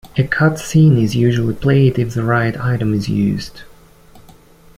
A cut scene is usually played if the right item is used.